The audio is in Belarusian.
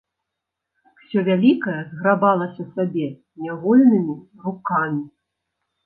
Усё вялікае зграбалася сабе нявольнымі рукамі.